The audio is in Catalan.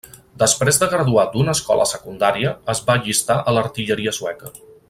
Després de graduar d'una escola secundària es va allistar a l'artilleria sueca.